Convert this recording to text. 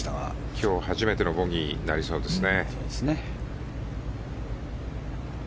今日初めてのボギーになりそうですね。